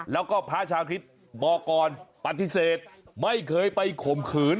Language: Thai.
แล้วก็พระชาคริสต์บอกก่อนปฏิเสธไม่เคยไปข่มขืน